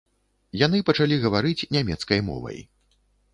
Яны пачалі гаварыць нямецкай мовай.